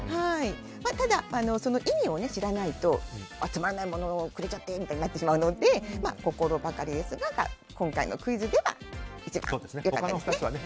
ただ、意味を知らないとつまらないものをくれちゃってみたいになるので心ばかりですがが今回のクイズでは一番良かったですね。